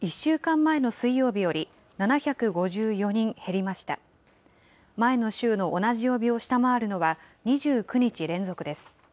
前の週の同じ曜日を下回るのは２９日連続です。